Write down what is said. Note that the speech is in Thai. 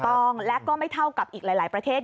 ถูกต้องและก็ไม่เท่ากับอีกหลายประเทศ